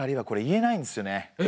え